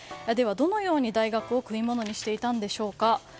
では、どのように大学を食い物にしていたんでしょうか。